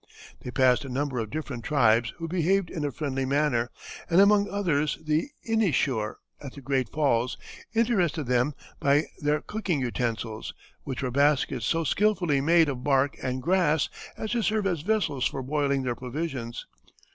They passed a number of different tribes who behaved in a friendly manner, and among others the Eneeshur, at the great falls, interested them by their cooking utensils, which were baskets so skilfully made of bark and grass as to serve as vessels for boiling their provisions.